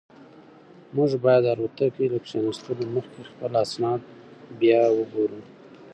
موږ باید د الوتکې له کښېناستو مخکې خپل اسناد بیا وګورو.